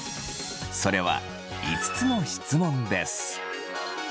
それは５つの質問です。